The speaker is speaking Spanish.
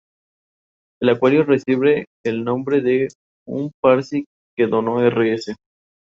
Actualmente no está acreditada por la Comisión Nacional de Acreditación.